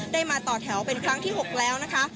ได้มาต่อแถวเป็นครั้งที่๖แล้วนะคะ